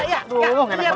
tolong enak banget sih